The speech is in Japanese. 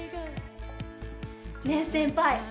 ねえ先輩。